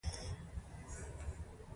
موږ دیوې کلیمې وړونه یو.